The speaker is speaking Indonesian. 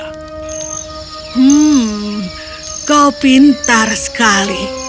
hmm kau pintar sekali